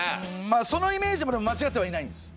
まあそのイメージもまちがってはいないんです。